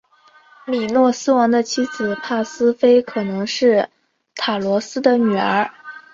米诺斯王的妻子帕斯菲可能是塔罗斯的女儿。